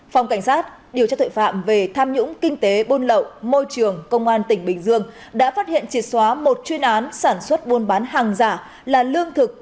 phòng cảnh sát điều tra tội phạm về tham nhũng kinh tế buôn lậu môi trường công an tỉnh bình dương đã phát hiện triệt xóa một chuyên án sản xuất buôn bán hàng giả là lương thực